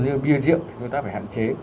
như bia rượu thì chúng ta phải hạn chế